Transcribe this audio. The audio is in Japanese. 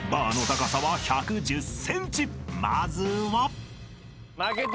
［まずは］